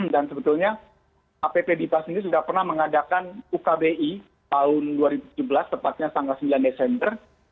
dan sebetulnya apb di pasin ini sudah pernah mengadakan ugbi tahun dua ribu tujuh belas tepatnya tanggal sembilan desember